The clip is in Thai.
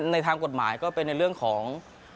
ในทางกฎหมายก็เป็นในเรื่องของ